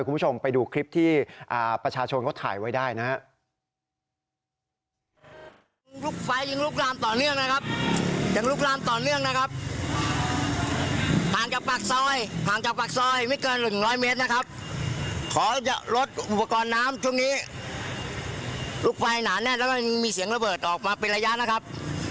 คุณผู้ชมไปดูคลิปที่ประชาชนเขาถ่ายไว้ได้นะครับ